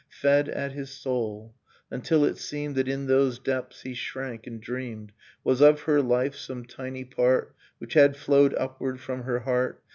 Fed at his soul, until it seemed That in those depths he shrank and dreamed. Was of her life some tiny part Which had flowed upward from her heart ...